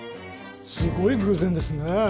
すごい偶然ですね。